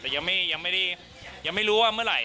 แต่ยังไม่รู้ว่าเมื่อไหร่